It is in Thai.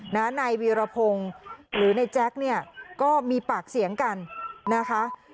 นายวีรพงศ์หรือในแจ๊คเนี่ยก็มีปากเสียงกันนะคะ